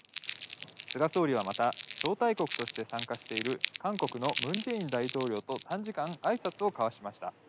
菅総理はまた招待国として参加している韓国のムン・ジェイン大統領と短時間、挨拶を交わしました。